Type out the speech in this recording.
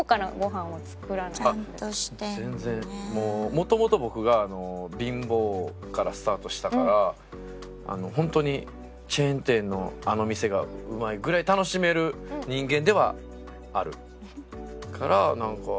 もともと僕が貧乏からスタートしたから本当に「チェーン店のあの店がうまい」ぐらい楽しめる人間ではあるからなんか。